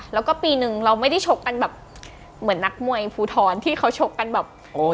แล้วก็ปีนึงเราไม่ได้โชคกันเมื่อนักมวยภูทลที่เขาโชคกันแบบ